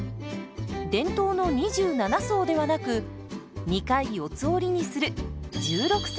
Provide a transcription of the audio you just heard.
伝統の２７層ではなく２回四つ折りにする１６層です。